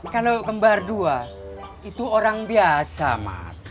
kalau kembar dua itu orang biasa mas